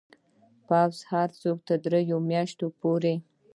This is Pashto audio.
پوځ هر څوک تر دریو میاشتو پورې